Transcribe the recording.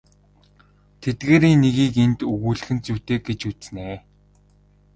Тэдгээрийн нэгийг энд өгүүлэх нь зүйтэй гэж үзнэ.